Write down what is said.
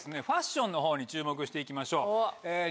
ファッションのほうに注目して行きましょう。